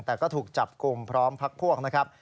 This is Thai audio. แต่ก็ถูกจับกลุ่มพร้อมพักพวกนะครับ